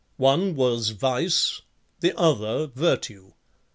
One was Vice, the other Virtue.